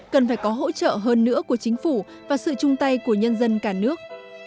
cần phải có hỗ trợ hơn nữa của chính phủ và sự chung tay của nhân dân cả nước